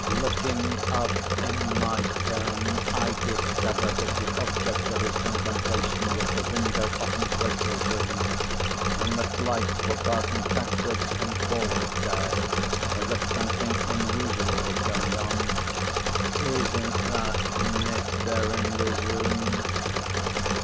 Looking up, in my turn, I discovered that the object of his contemplation was the window of Miss Rachel's room, and that lights were passing backwards and forwards there as if something unusual was going on. "Isn't that Miss Verinder's room?"